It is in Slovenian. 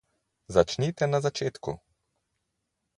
Začnite na začetku.